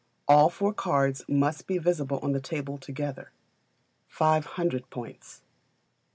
All four cards must be visible on the table together 500 points.